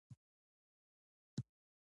د یو نه تر پنځه کلونو دوه میاشتې مزد.